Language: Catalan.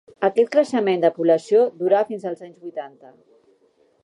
Aquest creixement de població durà fins als anys vuitanta.